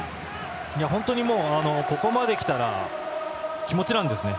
本当にここまできたら気持ちなんですね。